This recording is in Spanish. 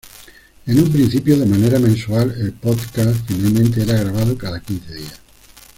En un principio de manera mensual, el podcast finalmente era grabado cada quince días.